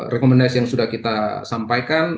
rekomendasi yang sudah kita sampaikan